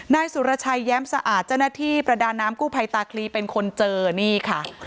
นายสุรชัยแย้มสะอาดเจ้าหน้าที่ประดาน้ำกู้ภัยตาคลีเป็นคนเจอนี่ค่ะ